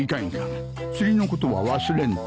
釣りのことは忘れんと